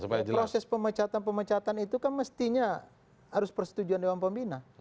proses pemecatan pemecatan itu kan mestinya harus persetujuan dewan pembina